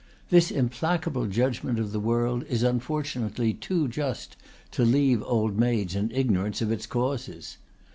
This implacable judgment of the world is unfortunately too just to leave old maids in ignorance of its causes.